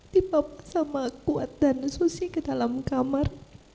tipe sama kuat dan susi ke dalam kamar